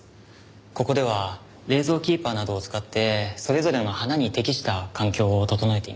ここでは冷蔵キーパーなどを使ってそれぞれの花に適した環境を整えています。